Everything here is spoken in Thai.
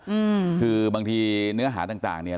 อืมคือบางทีเนื้อหาต่างต่างเนี้ย